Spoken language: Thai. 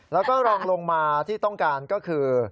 แล้วก็รองลงมาที่ต้องการก็คือ